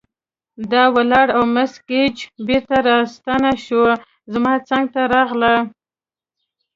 دا ولاړه او مس ګېج بیرته راستنه شوه، زما څنګ ته راغله.